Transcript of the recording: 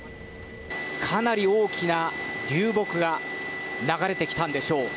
かなり大きな流木が流れてきたんでしょう。